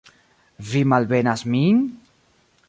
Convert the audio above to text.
Vi malbenas min?